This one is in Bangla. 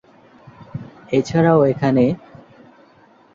এছাড়াও এখানে।